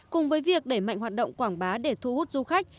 cùng với việc đẩy mạnh hoạt động quảng bá để thu hút du khách